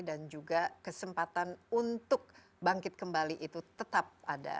dan juga kesempatan untuk bangkit kembali itu tetap ada